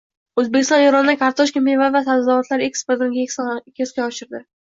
O‘zbekiston Erondan kartoshka, meva va sabzavotlar importini keskin oshirdi